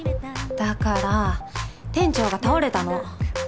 だから店長が倒れたの。